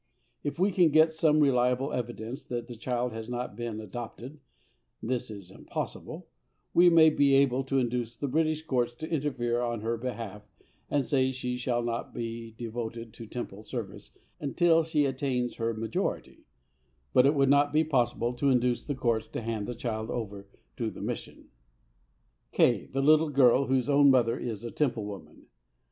If we can get some reliable evidence that the child has not been adopted" (this is impossible) "we may be able to induce the British Courts to interfere on her behalf and say she shall not be devoted to Temple service until she attains her majority; but it would not be possible to induce the Courts to hand the child over to the Mission." K., the little girl whose own mother is a Temple woman.